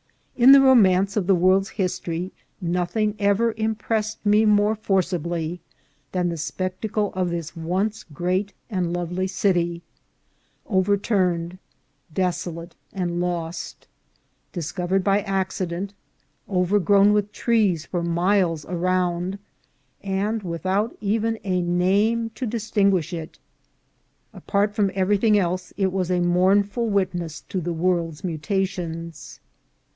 In the romance of the world's history no thing ever impressed me more forcibly than the specta ANTIQUITY OF PALENQUE. 357 cle of this once great and lovely city, overturned, des olate, and lost ; discovered by accident, overgrown with trees for miles around, and without even a name to dis tinguish it. Apart from everything else, it was a mourn ing witness to the world's mutations.